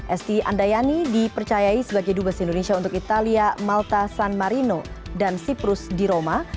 esti andayani dipercayai sebagai dubes indonesia untuk italia malta sanmarino dan siprus di roma